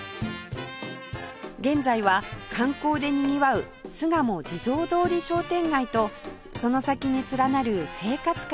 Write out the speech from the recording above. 現在は観光でにぎわう巣鴨地蔵通り商店街とその先に連なる生活感